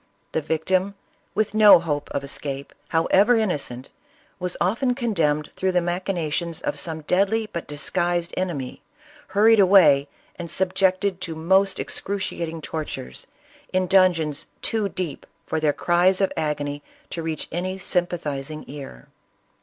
The victim, with no hope of escape, however innocent, was often condemned through the machinations of some deadly but disguised enemy, hurried away and subjected to most excruciating tor tures, in dungeons too deep for their cries of agony to reach any sympathizing ear.